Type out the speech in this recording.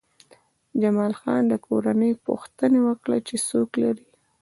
جمال خان د کورنۍ پوښتنه وکړه چې څوک لرې